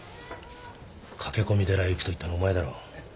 駆け込み寺へ行くと言ったのはお前だろう。